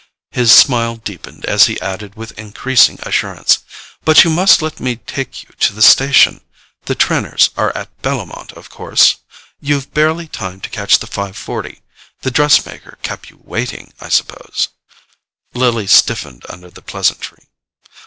His smile deepened as he added with increasing assurance: "But you must let me take you to the station. The Trenors are at Bellomont, of course? You've barely time to catch the five forty. The dress maker kept you waiting, I suppose." Lily stiffened under the pleasantry.